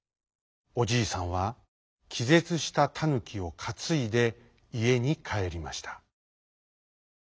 おじいさんはきぜつしたタヌキをかついでいえにかえりました。